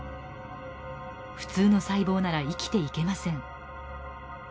普通の細胞なら生きていけません。